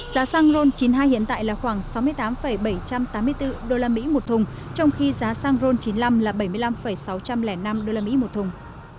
giá xăng ron chín mươi hai hiện tại là khoảng sáu mươi tám bảy trăm tám mươi bốn đô la mỹ một thùng trong khi giá xăng ron chín mươi năm là bảy mươi năm sáu trăm linh năm đô la mỹ một thùng